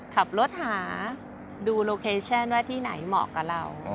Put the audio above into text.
ขับรถหาดูโลเคชั่นว่าที่ไหนเหมาะกับเรา